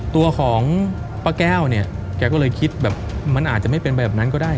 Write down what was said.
ตัวของป้าแก้วเนี่ยแกก็เลยคิดแบบมันอาจจะไม่เป็นแบบนั้นก็ได้